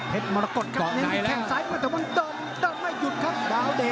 เกาะไหนละ